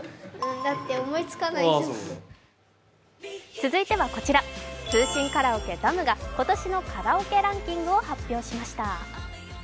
続いてはこちら通信カラオケＤＡＭが今年のカラオケランキングを発表しました。